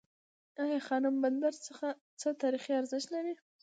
ای خانم بندر څه تاریخي ارزښت لري؟